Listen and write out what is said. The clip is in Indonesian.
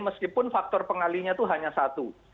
meskipun faktor pengalinya itu hanya satu